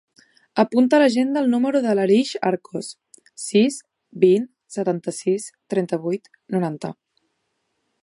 Apunta a l'agenda el número de l'Arij Arcos: sis, vint, setanta-sis, trenta-vuit, noranta.